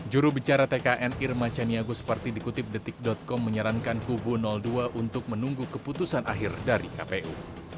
jurubicara tkn irma caniago seperti dikutip detik com menyarankan kubu dua untuk menunggu keputusan akhir dari kpu